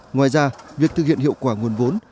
ngoài ra việc thực hiện hiệu quả nguồn vốn